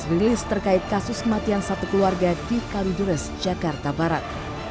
dan press release terkait kasus kematian satu keluarga di kalidures jakarta barat